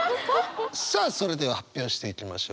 さあそれでは発表していきましょう。